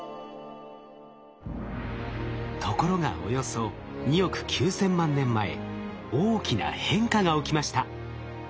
ところがおよそ２億９千万年前大きな変化が起きました。